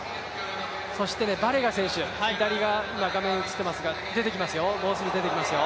そしてバレガ選手、もうすぐ出てきますよ。